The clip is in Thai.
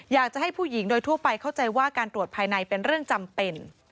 อยากจะให้ผู้หญิงโดยทั่วไปเข้าใจว่าการตรวจภายในเป็นเรื่องจำเป็น